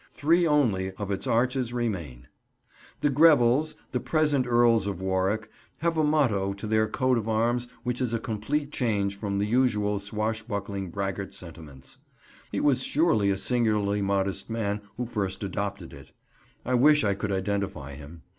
Three only of its arches remain. The Grevilles, the present Earls of Warwick, have a motto to their coat of arms which is a complete change from the usual swashbuckling braggart sentiments. He was surely a singularly modest man who first adopted it. I wish I could identify him.